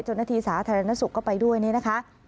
เจ้าหน้าที่สาธารณสุขก็ไปด้วยนี่นะคะ